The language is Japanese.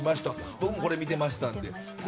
僕、これ見てましたので。